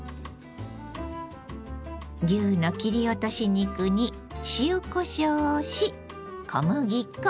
牛の切り落とし肉に塩こしょうをし小麦粉。